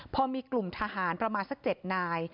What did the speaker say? พอมีกลุ่มทหารประมาณสัก๗นาย